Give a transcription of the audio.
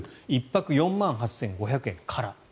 １泊４万８５００円から。